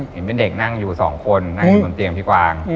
เห็นเป็นเด็กนั่งอยู่สองคนนั่งอยู่บนเตียงพี่กวาง